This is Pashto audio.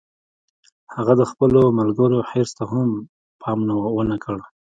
هغه د خپلو ملګرو حرص ته هم پام و نه کړ